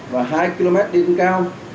và hai km đi tầng cao